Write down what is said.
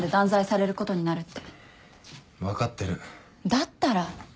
だったら。